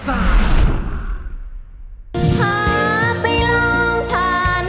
อาจเป็นเพราะเธอนั้น